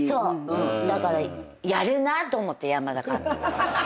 だからやるなと思って山田監督。